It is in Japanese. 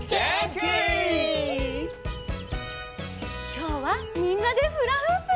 きょうはみんなでフラフープ！